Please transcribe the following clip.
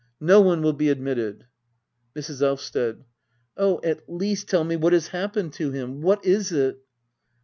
No one will be admitted. Mrs. Elvsted. Oh^ at least tell me what has happened to him ? What is it